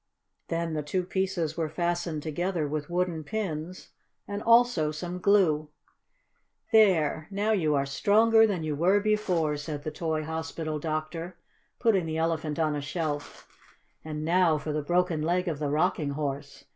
Then the two pieces were fastened together with wooden pins, and also some glue. "There! Now you are stronger than you were before," said the toy hospital doctor, putting the Elephant on a shelf. "And now for the broken leg of the Rocking Horse.